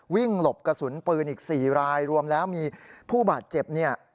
หลบกระสุนปืนอีก๔รายรวมแล้วมีผู้บาดเจ็บเนี่ย